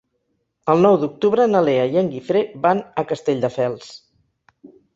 El nou d'octubre na Lea i en Guifré van a Castelldefels.